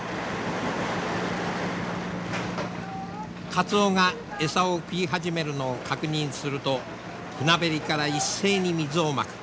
カツオが餌を食い始めるのを確認すると船べりから一斉に水をまく。